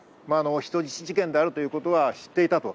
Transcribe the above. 人質事件であるということは知っていたと。